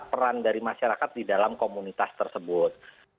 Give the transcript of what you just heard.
peran dari masyarakat di dalam komunitas tersebut